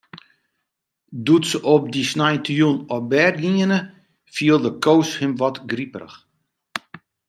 Doe't se op dy sneintejûn op bêd giene, fielde Koos him wat griperich.